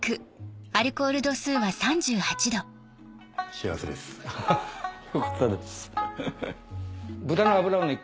幸せです。よかったですハハハ。